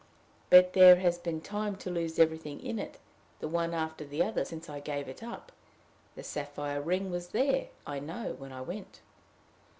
"But there has been time to lose everything in it, the one after the other, since I gave it up. The sapphire ring was there, I know, when I went."